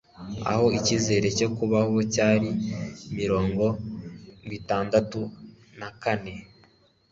aho ikizere cyo kubaho cyari mirongwitandatu nakane